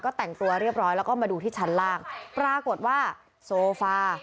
ก็แต่งตัวเรียบร้อยแล้วก็มาดูที่ชั้นล่างปรากฏว่าโซฟา